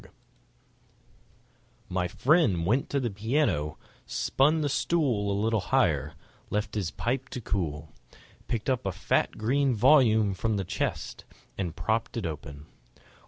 Music My friend went to the piano; spun the stool A little higher; left his pipe to cool; Picked up a fat green volume from the chest; And propped it open.